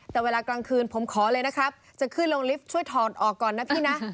แต่เวลากลางคืนผมขอเลยนะครับจะขึ้นลงลิฟต์ช่วยถอดออกก่อนนะพี่นะ